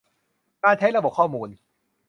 การใช้ระบบข้อมูล